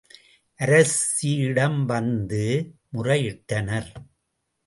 அரசியிடம் வந்து முறையிட்டனர்.